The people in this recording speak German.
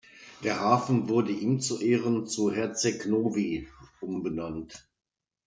Der Hafen wurde ihm zu Ehren in Herceg Novi umbenannt.